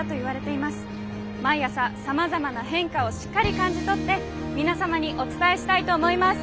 毎朝さまざまな変化をしっかり感じ取って皆様にお伝えしたいと思います。